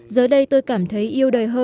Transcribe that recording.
giờ đây tôi cảm thấy yêu đời hơn